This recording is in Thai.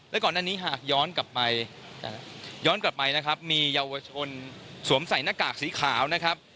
และก่อนอันนี้หากย้อนกลับไปย้อนกลับไปนะครับมีเยาวชนสวมใส่หน้ากากสีขาวนะครับ